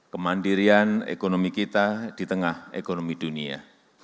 kemandirian ekonomi kita di tengah ekonomi dunia